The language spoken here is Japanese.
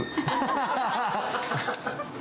ハハハ。